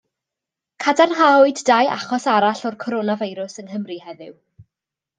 Cadarnhawyd dau achos arall o'r coronafeirws yng Nghymru heddiw.